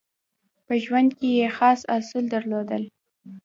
په ژوند کې یې خاص اصول درلودل.